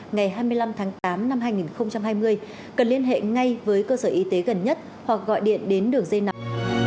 ngày hai mươi năm tháng tám năm hai nghìn hai mươi cần liên hệ ngay với cơ sở y tế gần nhất hoặc gọi điện đến đường dây nóng